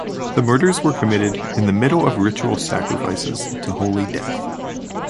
The murders were committed in the middle of ritual sacrifices to Holy Death.